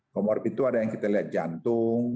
comorbid itu ada yang kita lihat jantung